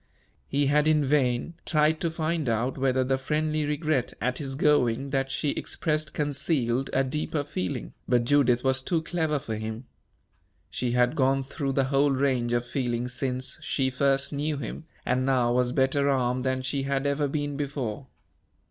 He had in vain tried to find out whether the friendly regret at his going that she expressed concealed a deeper feeling, but Judith was too clever for him. She had gone through the whole range of feeling since she first knew him, and now was better armed than she had ever been before.